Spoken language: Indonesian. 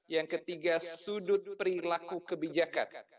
yang ketiga sudut perilaku kebijakan